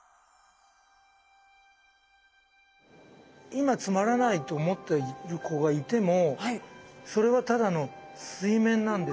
今つまらないと思っている子がいてもそれはただの水面なんです。